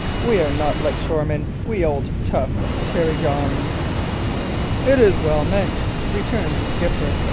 We are not like shore men, we old, tough tarry Johns!" "It is well meant," returned the skipper.